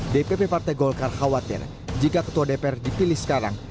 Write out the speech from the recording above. dpp partai golkar khawatir jika ketua dpr dipilih sekarang